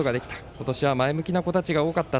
今年は前向きな子たちが多かった。